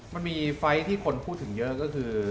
มันมีไฟล์ที่คนพูดถึงเยอะก็คือ